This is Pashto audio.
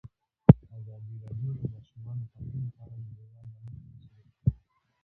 ازادي راډیو د د ماشومانو حقونه په اړه نړیوالې اړیکې تشریح کړي.